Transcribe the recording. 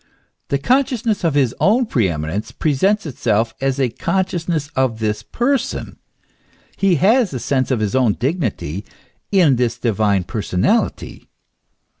The consciousness of his own pre eminence presents itself as a consciousness of this person ; he has the sense of his own dignity in this divine personality.